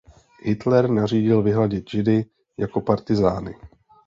Hitler nařídil vyhladit židy „jako partyzány“.